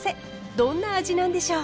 どんな味なんでしょう？